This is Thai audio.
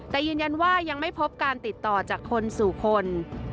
แต่ยืนยันว่ายังไม่พบการติดต่อจากคนสู่คน